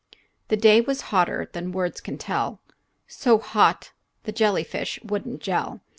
THE day was hotter than words can tell, So hot the jelly fish wouldn't jell.